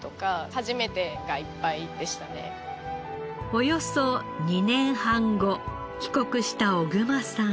およそ２年半後帰国した小熊さん。